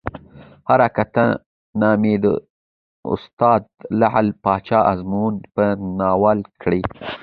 کره کتنه مې د استاد لعل پاچا ازمون په ناول کړى